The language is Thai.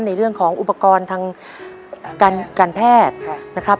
ในเรื่องของอุปกรณ์ทางการแพทย์นะครับ